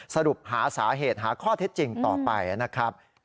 สรุปหาสาเหตุหาข้อเท็จจริงต่อไปนะครับ